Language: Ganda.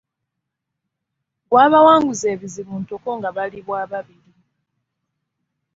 Gwabawanguza ebizibu ntoko nga bali bwababiri.